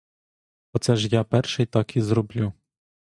Оце ж я перший так і зроблю.